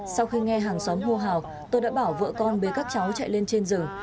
sau khi nghe hàng xóm hô hào tôi đã bảo vợ con bế các cháu chạy lên trên rừng